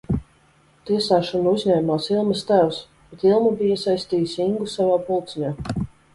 Tiesāšanu uzņēmās Ilmas tēvs, bet Ilma bija iesaistījusi Ingu savā pulciņā.